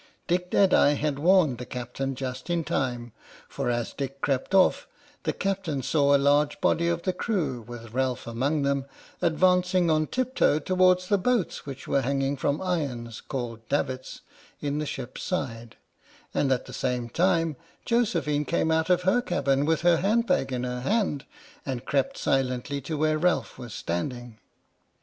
Dick Deadeye had warned the Captain just in time ; for as Dick crept off, the Captain saw a large 104 H.M.S. "PINAFORE" body of the crew, with Ralph among them, advanc ing on tip toe towards the boats which were hanging from irons, called davits, in the ship's side, and at the same time Josephine came out of her cabin with her hand bag in her hand, and crept silently to where Ralph was standing.